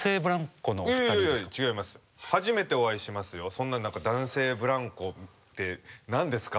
そんな何か男性ブランコって何ですか？